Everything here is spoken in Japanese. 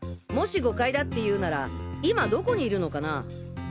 もし誤解だっていうなら今どこにいるのかな？